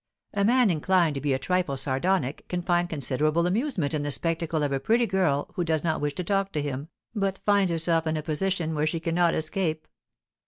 A man inclined to be a trifle sardonic can find considerable amusement in the spectacle of a pretty girl who does not wish to talk to him, but finds herself in a position where she cannot escape.